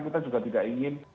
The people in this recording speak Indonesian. kita juga tidak ingin